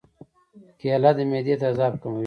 کېله د معدې تیزاب کموي.